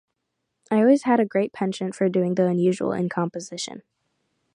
I always had a great penchant for doing the unusual in composition.